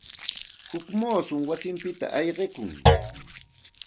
Huk muusum wayinpita ayqikun.